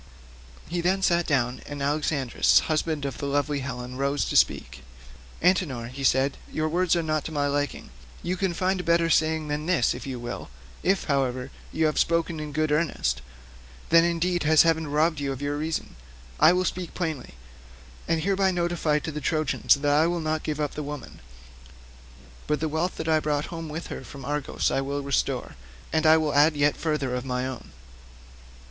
He then sat down and Alexandrus husband of lovely Helen rose to speak. "Antenor," said he, "your words are not to my liking; you can find a better saying than this if you will; if, however, you have spoken in good earnest, then indeed has heaven robbed you of your reason. I will speak plainly, and hereby notify to the Trojans that I will not give up the woman; but the wealth that I brought home with her from Argos I will restore, and will add yet further of my own."